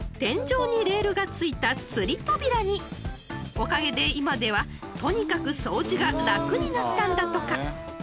［おかげで今ではとにかく掃除が楽になったんだとか］